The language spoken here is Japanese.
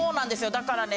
だからね